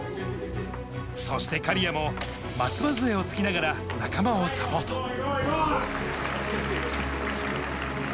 そして苅谷も松葉杖を突きながら仲間をサポート。